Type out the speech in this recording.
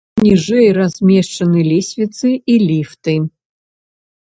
Ніжэй размешчаны лесвіцы і ліфты.